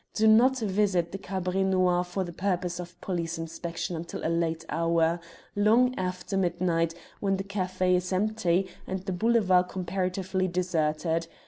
Do not visit the Cabaret Noir for the purpose of police inspection until a late hour long after midnight when the café is empty and the Boulevard comparatively deserted.